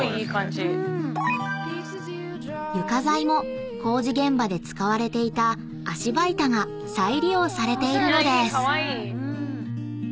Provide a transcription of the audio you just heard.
［床材も工事現場で使われていた足場板が再利用されているのです］